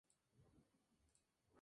Falleció en Copenhague.